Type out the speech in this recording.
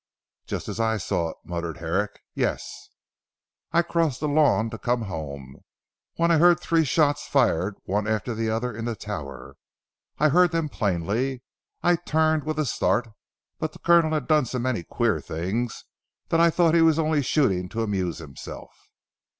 "Just as I saw it," muttered Herrick. "Yes?" "I crossed the lawn to come home, when I heard three shots fired one after the other in the tower. I heard them plainly. I turned with a start; but the Colonel had done so many queer things that I thought he was only shooting to amuse himself."